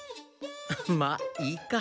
まあいいか。